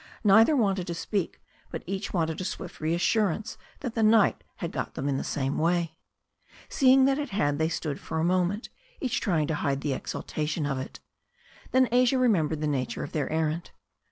Neither wanted to speak, but each wanted a swift assurance that the night had got them in the same way. Seeing that it had, they stood a moment, each trying to hide the exaltation of it. Then Asia remembered the nature of their errand.